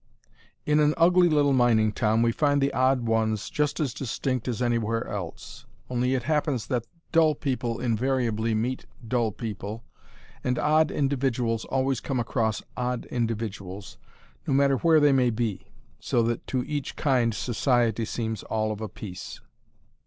In an ugly little mining town we find the odd ones just as distinct as anywhere else. Only it happens that dull people invariably meet dull people, and odd individuals always come across odd individuals, no matter where they may be. So that to each kind society seems all of a piece.